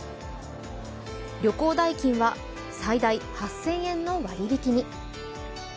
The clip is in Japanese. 旅行代金は最大８０００円の割り引きに。